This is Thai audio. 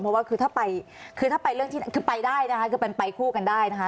เพราะว่าคือถ้าไปคือไปได้นะคะคือเป็นไปคู่กันได้นะคะ